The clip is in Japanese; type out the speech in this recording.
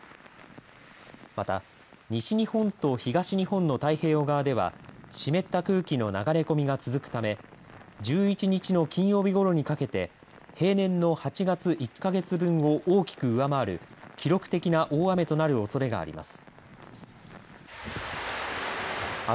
また、西日本と東日本の太平洋側では湿った空気の流れ込みが続くため１１日の金曜日ごろにかけて平年の８月１か月分を大きく上回る記録的な大雨となるおそれがあります。